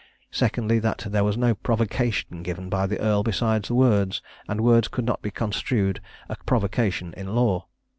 "Secondly That there was no provocation given by the earl besides words, and words could not be construed a provocation in law.